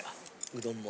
うどんも。